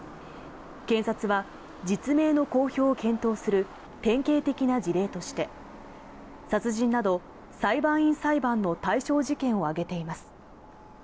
検察は実名の公表を検討する典型的な事例として、殺人など裁判員裁判の対象事件を挙げています。